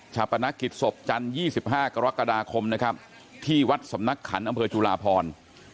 ปนักกิจศพจันทร์๒๕กรกฎาคมนะครับที่วัดสำนักขันอำเภอจุลาพร